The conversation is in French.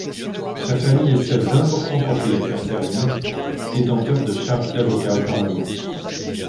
Sa famille est celle d'importants propriétaires terriens, détenteurs de charges d'avocat au Parlement.